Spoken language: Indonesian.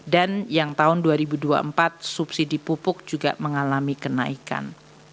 dan yang tahun dua ribu dua puluh empat subsidi pupuk juga mengalami kenaikan